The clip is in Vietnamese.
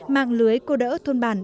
mạng lưới cô đỡ thôn bản